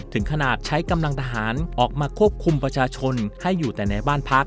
ถึงขนาดใช้กำลังทหารออกมาควบคุมประชาชนให้อยู่แต่ในบ้านพัก